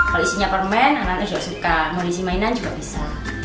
kalau isinya permen anak anak juga suka mau isi mainan juga bisa